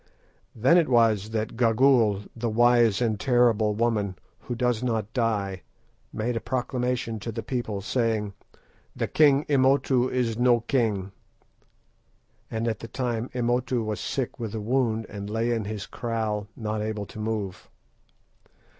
Then it was that Gagool, the wise and terrible woman, who does not die, made a proclamation to the people, saying, 'The king Imotu is no king.' And at the time Imotu was sick with a wound, and lay in his kraal not able to move.